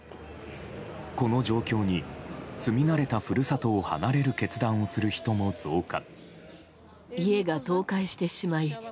この状況に住み慣れた故郷を離れる決断をする人も増加。